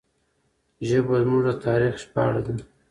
ژبه زموږ د تاریخ ژباړه ده.